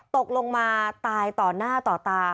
ตกลงมาตายต่อหน้าต่อตา